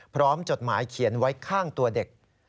จดหมายเขียนไว้ข้างตัวเด็ก